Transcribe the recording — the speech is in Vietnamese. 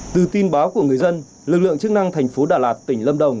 từ tin báo của người dân lực lượng chức năng thành phố đà lạt tỉnh lâm đồng